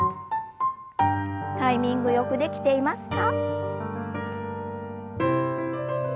タイミングよくできていますか？